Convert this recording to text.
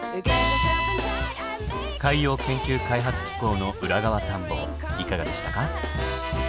海洋研究開発機構の裏側探訪いかがでしたか？